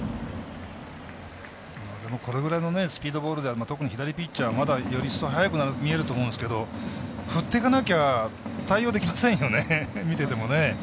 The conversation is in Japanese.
でもこれぐらいのスピードボールで特に左ピッチャーより一層速く見えると思いますが振っていかなきゃ対応できませんよね、見てても。